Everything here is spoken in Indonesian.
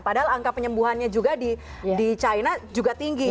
padahal angka penyembuhannya juga di china juga tinggi